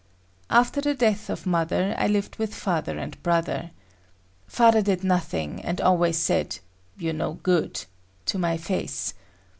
After the death of mother, I lived with father and brother. Father did nothing, and always said "You're no good" to my face.